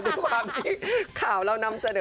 แต่ด้วยความที่ข่าวเรานำเสนอ